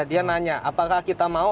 dia nanya apakah kita mau